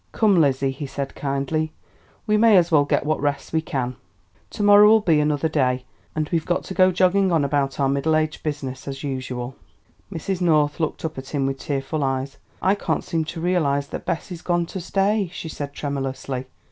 "Come, Lizzie," he said kindly, "we may as well get what rest we can; to morrow'll be another day, and we've got to go jogging on about our middle aged business as usual." Mrs. North looked up at him with tearful eyes. "I can't seem to realise that Bessie's gone to stay," she said tremulously.